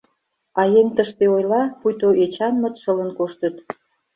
А еҥ тыште ойла, пуйто Эчанмыт шылын коштыт.